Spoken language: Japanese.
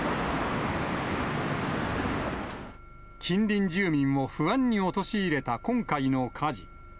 近隣住民を不安に陥れた今回の火事。